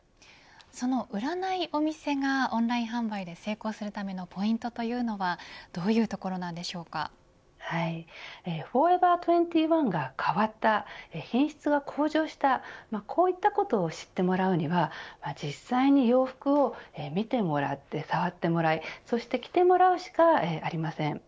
その、売らないお店がオンライン販売で成功するためのポイントというのはフォーエバー２１が変わった品質が向上したこういったことを知ってもらうには実際に洋服を見てもらって触ってもらいそして着てもらうしかありません。